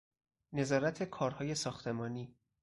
نظارت کارهای ساختمانی